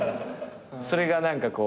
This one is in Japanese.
それが何かこう。